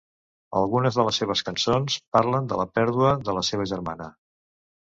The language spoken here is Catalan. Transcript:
Algunes de les seves cançons parlen de la pèrdua de la seva germana.